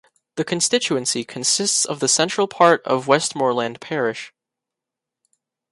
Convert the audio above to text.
The constituency consists of the central part of Westmoreland Parish.